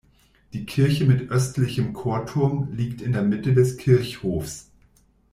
Die Kirche mit östlichem Chorturm liegt in der Mitte des Kirchhofs.